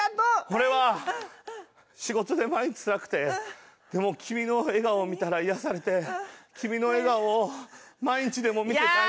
俺は仕事で毎日つらくてでも君の笑顔を見たら癒やされて君の笑顔を毎日でも見てたいな。